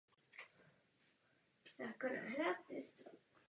Občany a jejich rodiny propustil Scipio na svobodu.